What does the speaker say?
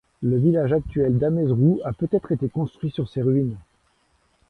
Le village actuel d'Amezrou a peut-être été construit sur ses ruines.